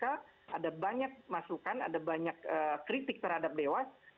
ada banyak masukan ada banyak kritik terhadap dewas